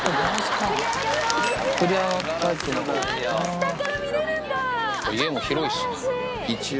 下から見れるんだ！